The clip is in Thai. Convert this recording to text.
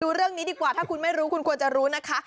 ดูเรื่องนี้ดีกว่าถ้าคุณไม่รู้คุณควรจะรู้นะคะ